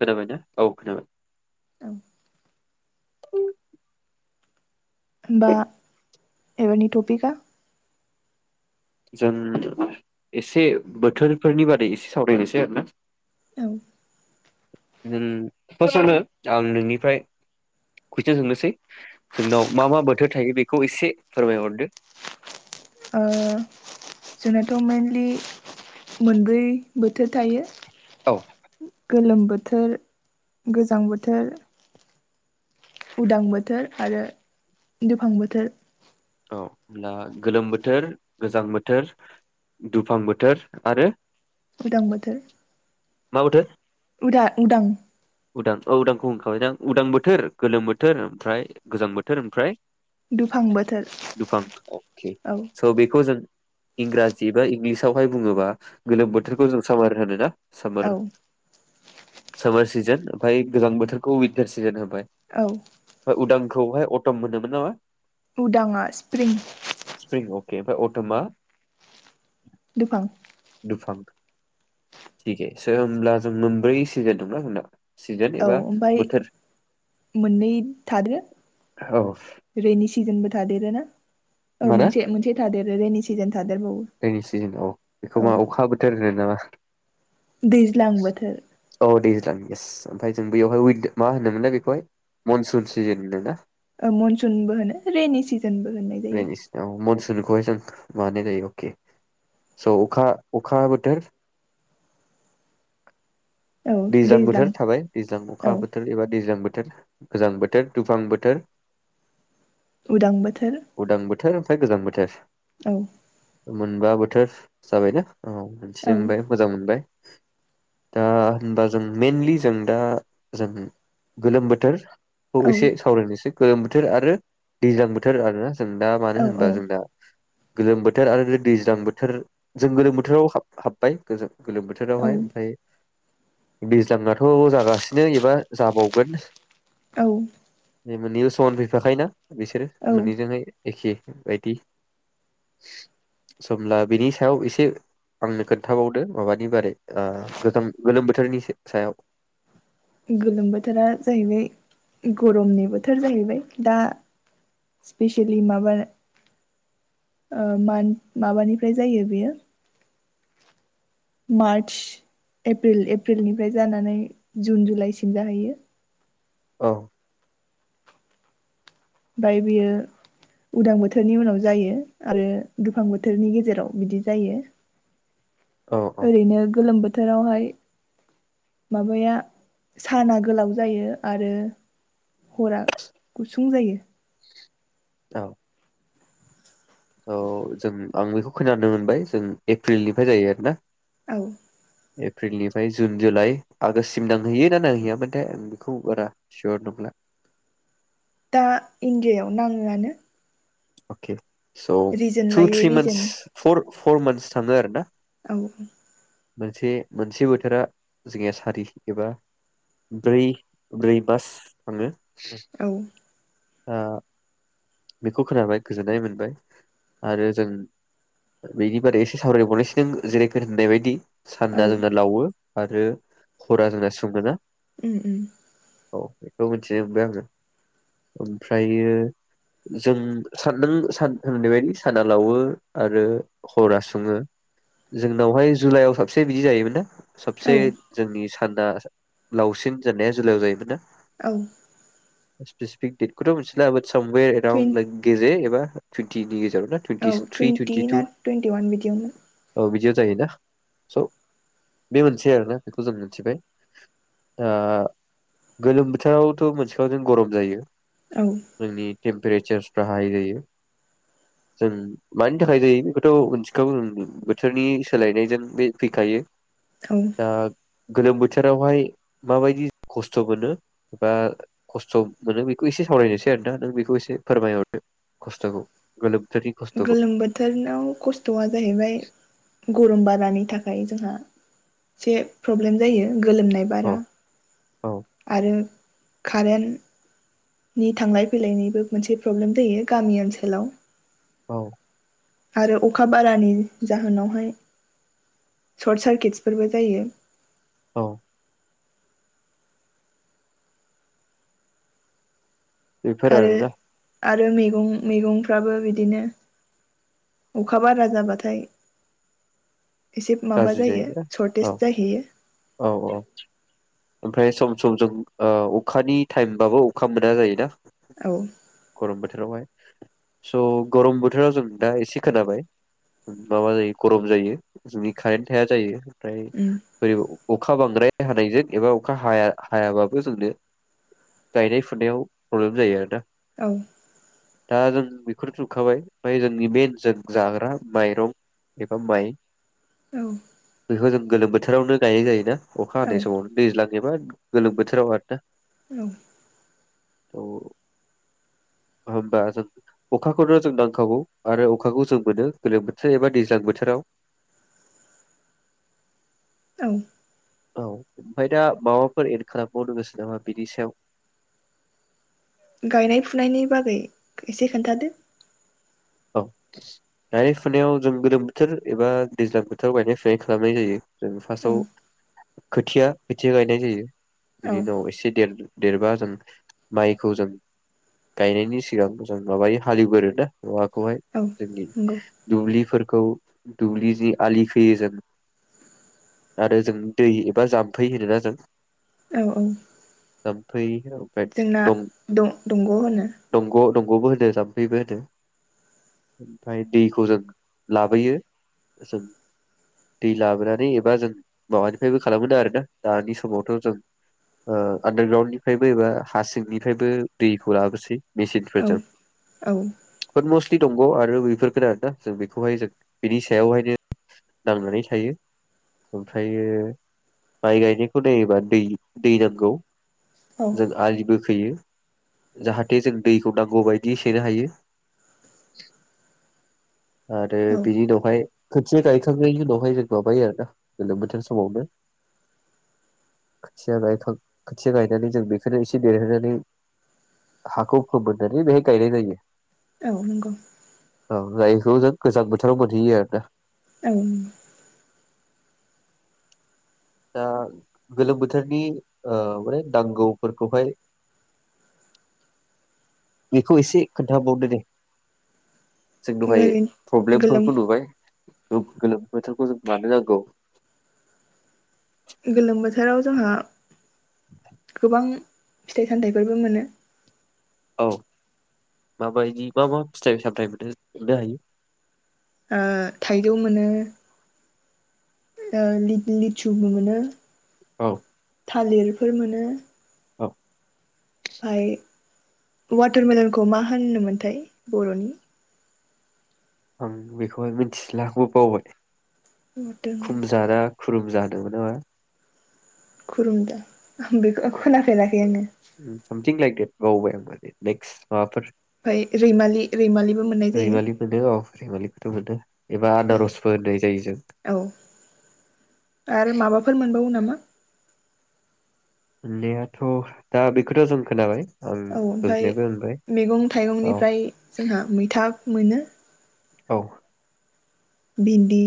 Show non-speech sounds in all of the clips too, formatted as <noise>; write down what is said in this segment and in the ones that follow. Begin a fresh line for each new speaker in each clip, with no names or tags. खोनाबायना औ खोनाबाय
होमबा
उ <unintelligible>
बा एबनि ट'पिका
जों एसे बोथोरफोरनि बारै एसे सावरायनोसै आरोना
औ
उम फार्स्टआवनो आं नोंनिफ्राय कुइसन सोंनोसै जोंनाव मा मा बोथोर थायो बेखौ एसे फोरमायहरदो
आ जोंनाथ' मेनलि मोनब्रै बोथोर थायो।
औ।
गोलोम बोथोर, गोजां बोथोर उदां बोथोर आरो दुफां बोथोर।
औ होनब्ला गोलोम बोथोर, गोजां बोथोर, दुफां बोथोर आरो
उदां बोथोर
मा बोथोर
उदा उदां।
औ उदांखौ उदां, उदां बोथोर, गोलोम बोथोर ओमफ्राय गोजां बोथोर ओमफ्राय
दुफां बोथ
दुफां अके स' बेखौ जों इंराजि बा इंलिस आवहाय बुङोबा गोलोम बोथोरखौ जों सामार होनो ना?
औ
सोमोर सामार सिजोन ओमफाय गोजां बोथोरखौ विनटार सिजोन हो बाय
औ
ओ उदां खौहाय अटम मोनोमोन नामा?
उदाङा स्प्रिं।
के फाय अट'मा?
दुफां।
थिक हे स' होमब्ला जों मोनब्रै सिजोन दंना जोंना। सिजोन
औ
एबा
ओमफाय
बोथोर
मोननै थादो
औ
रेनि सि जोन बो थादेरोना। औ
माना
मोनसे मोनसे थादेर रेनि सिजोन थादेरबावो
रेनि सिजोन औ
औ
बेखौ मा अखा बोथोर होनो नामा?
दैज्लां बोथोर
<unintelligible> इयेस ओमफाय जों बेयावहाय विन मा होनोमोनलाय बेखौहाय मनसुन सिजोन होनो ना।
मनसुनबो होनो रेनि सिज
रेनि सि अ' मनस खौहाय जों मामानाय जायो अके स' अखा, अखा बोथोर दैज्लां बोथोर थाबाय दैज्लां
औ
अखा बोथोर एबा दैज्लां बोथोर। गोजां बोथोर, दुफां बोथोर।
उदां बोथोर।
उदां बोथोर ओमफ्राय गोजां बोथोर।
औ।
मोनबा बोथोर जाबाय ना? औ मोनथिनो
औ
मोनबाय मोजां मोनबाय। दा होमबा जों मेनलि जों दा जों गोलोम बोथोर औ एसे सावरायनोसै गोलोम बोथोर आरो दैज्लां बोथोर आरो जों दा
औ
मानो होनबा जों दा गोलोम बोथोर आरो दैज्लां बोथोर जों गोलोम बोथोराव हाब हाबबाय गोजों गोलोम
औ
बोथोरावहाय ओमफ्राय दैज्लांआथ' जागासिनो एबा जाबावगोन
औ
जे मोननैयो फैफाखायोना बिसोरो
औ
मोननैजोंहाय एखे बायदि स होमब्ला बिनि सायाव एसे आंनो खोन्थाबावदो माबानि बारै ओ गोजां गोलोम बोथोरनि से सायाव
गोलोम बोथोरा जाहैबाय गरमनि बोथोर जाहैबाय दा स्पेसियेलि माबा ओ मान माबानिफ्राय जायो बेयो मातच एप्रिल एप्रिलनिफ्राय जानानै जुन जुलाइसिम जाहैयो
औ
ओमफाय बेयो उदां बोथोरनि उनाव जायो आरो दुफां बोथोरनि गेजेराव बिदि जायो
औ औ
ओरैनो ग गोलोम बोथोरावहाय माबाया साना गोलाव जायो आरो हरा गुसुं जायो
औ औ जों आं बेखौ खोनानो मोनबाय जों एप्रिलनिफ्राय जायो आरोना
औ
एप्रिलनिफ्राय जुन जुलाइ आगोस्टसिम नांहैयो ना नांहैयामोनथाय आं बेखौ बारा सियर नंला
दा इण्डियायाव नाङोआनो
अखे स'
रिजोन
थु
लायै
थ्रि
रिजोन
मान्थस फर फर मान्थस थाङो आरो ना
औ
मोनसे मोनसे बोथोरा जोंनिया सारि एबा ब्रै ब्रै मास थाङो
औ
आ बेखौ खोनाबाय गोजोननाय मोनबाय आरो जों बेनि बारै एसे सावरायबावनायसि नों जेरै <unintelligible> नों होननाय बायदि
औ
सानना जोंना लावो आरो हरा जोंना सुं <unintelligible>
उम- उम
<unintelligible> ओमफ्रायो जों सानदों <unintelligible> साना लावो आरो हरा सुङो जोंनावहाय जुलाइआव साबसे बिदि जायोमोनना सबसे
औ
जोंनि स थानदा स लावसिन जेननाया जुलायाव जायोमोन दां
औ
<unintelligible> <unintelligible> टुइनटिनि
टुइन
गेजेराव ना
औ
twenty three
twenty
twenty two
ना टुवेन्टि वान बिदियावनो
औ बिदियाव जायोना स' बे मोनसे आरोना बेखौ जों मिथिबाय दा आ गोलोम बोथोरावथ' मोनथिखाबाय जों गरम जायो
औ
जोंनि टेम्पारेचारफ्रा हाइ जायो जों मानि थाखाय जायो बेखौथ' मोननथिखागौ जों बोथोरनि सोलायनायजों बे फैखायो
औ
दा गोलोम बोथोरावहाय माबायदि खस्थ' मोनो एबा खस्थ' मोनो बेखौ एसे सावरायनोसै आरोना नों बेखौ बेखौ एसे फोरमायहरदो खस्थ'खौ गोलोम बोथोरनि खस्थ'खौ
गोलोम बोथोरनाव खस्थ'आ जाहैबाय गरम बारानि थाखाय जोंहा एसे प्रब्लेम जायो गोलोमनाय बारा
औ औ
आरो कारेन्टनि थांलाय फैलायनिबो मोनसे प्रब्लेम जायो गामि ओनसोलाव।
औ।
आरो अखा बारानि जाहोनावहाय सर्ट सार्किटसफोरबो जायो।
औ। बेफोर
आरो
आरोना।
आरो मैगं मैगंफ्राबो बिदिनो अखा बारा जाबाथाय एसे माबा
गाज्रि
जायो
जायोना
सर्टेज
औ
जाहैयो।
औ औ ओमफ्राय सम सम जों अखानि टाइमबाबो अखा मोना जायोना।
औ
गरम बोथोरावहाय। स' गरम बोथोराव जों दा एसे खोनाबाय माबा जायो गरम जायो। जोंनि कारेन्ट थाया जायो फ्राय
उम
अखा बांद्राय हानायजों एबा अखा हाया हायाबाबो जोंनो गायनाय फुनायाव प्रब्लेम जायो आरोना।
औ।
दा जों बेफोर जोबखाबाय ओमफ्राय जोंनि बे जाग्रा माइरं एबा माइ
औ।
बेखौ जों गोलोम बोथोरावनो गायनाय जायो ना? अखा
औ
हानायनि समावनो दैज्लां एबा गोलोम बोथोराव आरोना
औ।
होमबा जों अखाखौनो जों नांखाखौ आरो अखाखौ जों मोनो गोलोम बोथोर एबा दैज्लां बोथोराव
<inaudible>
औ ओमफ्राय दा माबाफोर एड खालामबावनो गोसो नामा बिनि सायाव
गायनाय फुनायनि बागै एसे खोन्थादो?
औ गायनाय फुनायाव जों गोलोम बोथोर एबा दैज्लां बोथोराव गायनाय फुनाय खालामनाय जायो।
औ
फार्सआव। खोथिया खोथिया गायनाय जायो। बिनि
औ
उनाव एसे देर देरबा जों माइखौ जों गायनायनि सिगां जों माबायो हालेवगोरोना। <unintelligible> हायो
औ
जोंनि
नंगौ
दुब्लिफोर खौ दुब्लिनि जि आलि खोयो जों आरो जों दै एबा जाम्फै होनोना जों
औ औ।
जाम्फै
जोंनां दं दंग' होनो।
दंग' दंग'बो होनो जाम्फैबो होनो। ओमफ्राय दैखौ जों लाबोयो जों दै लाबोनानै एबा जों माबानिफ्रायबो खालामो आरोना दानि समावथ' जों ओ आडारग्राउणडनिफ्रायबो एबा हा सिंनिफ्रायबो दैखौ लाबोसै।
औ
मेसिनफोरजों
औ।
बाट मस्टलि दंग' आरो बेफोरफोरखोनो आरोना जों बेखौहाय जों बेनि सायावहायनो नांनानै थायो ओमफ्रायो माइ गायनायखौ नायोबा दै दै नांगौ।
औ
जों आजिबो खोयो जाहाथे जों दैखौ नांगौबायदियै सोनो हायो। <inaudible> आरो
औ
बिनि उनावहाय खोथिया गायखांनायनि उनावहाय जों माबायो आरोना गोलोम बोथोर समावनो खोथिया गायखां खोथिया गायनानै जों बेखौनो एसे देरहोनानै हाखौ फोमोननानै बेहाय गायनाय जायो।
औ नंगौ।
औ <unintelligible> बेखौ जों गोजां बोथोराव मोनहैयो आरोना।
औ
दा गोलोम बोथोरनि माने नांगौफोरखौहाय बेखौ एसे खोन्थाबावदो दे। जों दहाय
ओरैनो गोलोम
प्रब्लेमफोरखौहाय नुबाय। ओम गोलोम बोथोरखौ जों मानो नांगौ।
गोलोम बोथोराव जोंहा गोबां फिथाइ सामथाइफोरबो मोनो।
औ माबायदि मा मा फिथाइ सामथाय मोनो मोननो हायो।
ओ थाइजौ मोनो। ओ लि लिसुबोमोनो
औ
थालिरफोर मोनो।
औ
ओमफाय वाटारमेलनखौ मा होनो मोनथाय बर'नि
आं बेखौहाय मिथिला आंबो बावबाय।
<inaudible>
खुरुमजा होनोमोन नामा।
खुरुम दा आं बेखौ खोनाफेराखै आङो।
दे बावबाय होमबा दे नेक्स्ट माबाफोर
ओमफाय रैमालि रैमालिबो मोननाय जायो
रैमालि मोनो औ रैमालिखौथ' मोनो एबा
ओमफाय
आनारसबो होननाय जायो जों
औ आरो माबाफोर मोनबावो नामा?
मोननायाथ' दा बेखौथ' जों खोनाबाय आं
औ ओमफाय
गोजोननायबो मोनबाय
मैगं
औ
थाइगंनिफ्राय जोंहा मैथा मोनो।
औ
भिन्दि,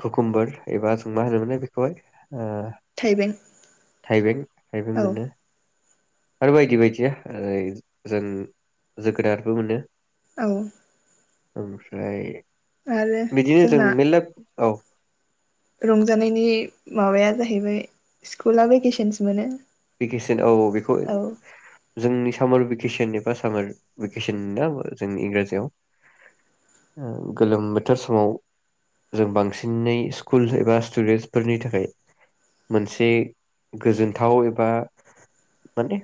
कुकोमबोर एबा जों मा होनोमोनो बेखौहाय ओ
थाइबें।
थाइबें थायबें
औ
मोनो। आरो बायदि बायदिया ओ जों जोगोनारबो मोनो।
औ
ओमफ्राय
आरो
बिदिनो जों
जोंना
मेनला औ
रंजानायनि माबाया जाहैबाय स्कुला भेकेसनस मोनो।
भेकेसन औ औ बेखौ
औ
जोंनि सामार भे केसन एबा सामार भेकेसन ना जोंनि इंराजियाव ओ गोलोम बोथोर समाव जों बांसिनै स्कुल एबा स्टुडेन्टसफोरनि थाखाय मोनसे गोजोनथाव ए बा माने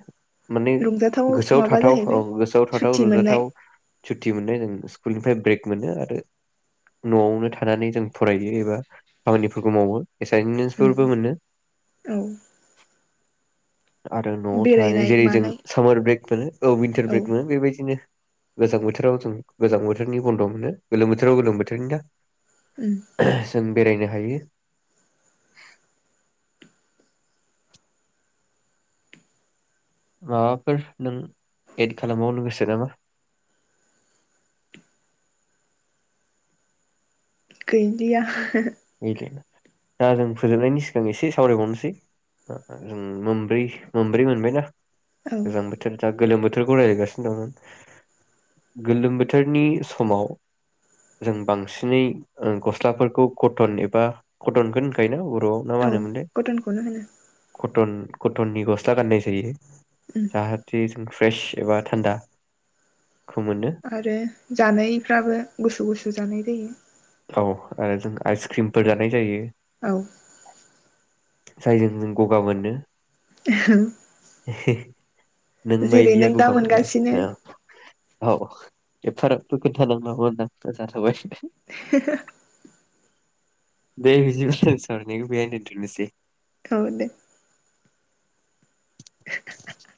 माने
रंजाथाव
गोसोआव
माबा
थाथाव
जाहैबाय
औ गोसोआव थाथाव
सुथि मोननाय
रंजाथाव सुटि मोननाय जों स्कुलनिफ्राय ब्रेक मोनो आरो न'आवनो थानानै जों फरायो एबा खामानिफोरखौ मावो।
उम
एसाइनमेन्टसफोरबो मोनो।
औ
आरो न'आव थानानै
बेरायनाय
जेरै जों
मानाय
सामार ब्रेक मोनो औ विनटार ब्रेक मोनो बेबायदिनो गोजां बोथोराव जों गोजां बोथोरनि बन्द' मोनो गोलोम बोथोराव गोलोम बोथोरनि ना
उम
<unintelligible> जों बेरायनो हायो। माबाफोर नों एड खालामबावनो गोसो नामा?
गैलिया।
गैलिया। दा जों फोजोबनायनि सिगां एसे सावरायबावनोसै जों मोनब्रै मोनब्रै मोनबायना।
औ
गोजां बोथोर गोलोम बोथोरखौ रायज्लायगासिनो दंमोन गोलोम बोथोरनि समाव जों बांसिनै ओ गस्लाफोरखौ कटन एबा कटनखोनो होनखायोना आव ना मा
औ
होनोमोनलाय
कटनखौनो होनो
टन कटननि गस्ला गाननाय जायो
उम
जाहाते फ्रेस एबा थान्दा
आरो जानायफ्राबो गुसु गुसु जानाय <unintelligible>
औ आरो जों आइसक्रिमफोर जानाय जायो
औ
जायजों जों गगा मोनो <unintelligible> नों
जेरै
बायदिया
नों दा
ग'गा
मोनगासिनो
मोनो <unintelligible> <unintelligible>
<unintelligible>
दे <unintelligible>
औ दे